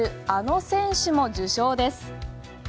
あの選手も受賞です。